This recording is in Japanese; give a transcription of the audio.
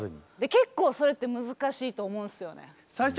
結構それって難しいと思うんすよね。